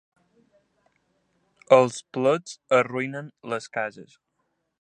Els plets arruïnen les cases.